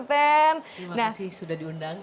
terima kasih sudah diundang